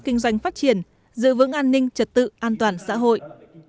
kinh doanh phát triển giữ vững an ninh trật tự an toàn xã hội